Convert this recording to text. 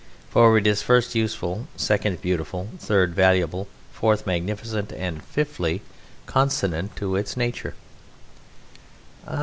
"For it is first useful, second beautiful, third valuable, fourth magnificent, and, fifthly, consonant to its nature."